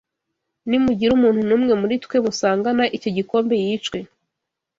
Nimugira umuntu n’umwe muri twe musangana icyo gikombe yicwe